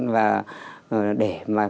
và để mà